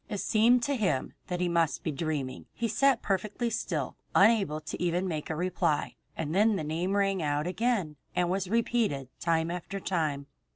It seemed to him that he must be dreaming. He sat perfectly still listening, unable even to make a reply, and then the name rang out again and was repeated time after time.